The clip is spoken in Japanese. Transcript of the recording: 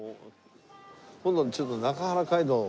今度はちょっと中原街道を。